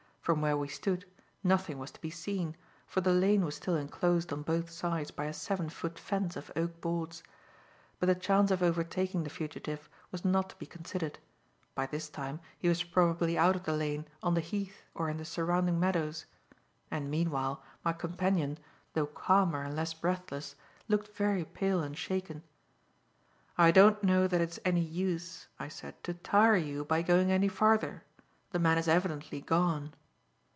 From where we stood, nothing was to be seen, for the lane was still enclosed on both sides by a seven foot fence of oak boards. But the chance of overtaking the fugitive was not to be considered; by this time he was probably out of the lane on the Heath or in the surrounding meadows; and meanwhile, my companion, though calmer and less breathless, looked very pale and shaken. "I don't know that it's any use," I said, "to tire you by going any farther. The man is evidently gone."